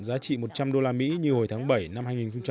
giá trị một trăm linh đô la mỹ như hồi tháng bảy năm hai nghìn một mươi năm